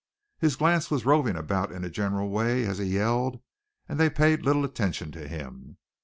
His glance was roving about in a general way as he yelled and they paid little attention to him.